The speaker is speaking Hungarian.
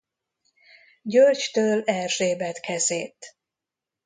Györgytől Erzsébet kezét.